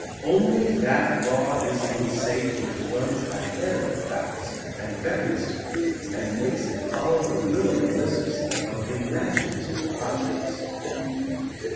Only that law is unsafe which runs ahead of the facts and beckons to it and makes it follow the will o' the wisps of imaginative projects.